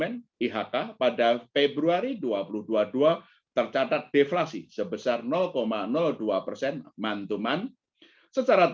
rupiah sampai dengan enam belas maret dua ribu dua puluh dua mencatat depresiasi sekitar empat puluh dua persen dibandingkan dengan level akhir dua ribu dua puluh satu